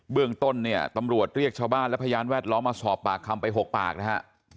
เรื่องต้นเนี่ยตำรวจเรียกชาวบ้านและพยานแวดล้อมมาสอบปากคำไป๖ปากนะฮะ